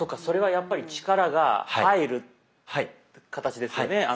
それはやっぱり力が入る形ですよね。